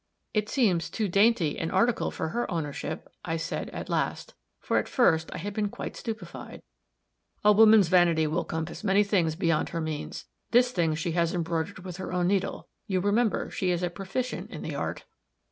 "It seems too dainty an article for her ownership," I said, at last, for, at first, I had been quite stupefied. "A woman's vanity will compass many things beyond her means. This thing she has embroidered with her own needle you remember, she is a proficient in the art."